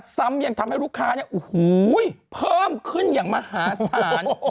ซ้ำยังทำให้ลูกค้าอูหูยเพิ่มขึ้นอย่างมหาสาร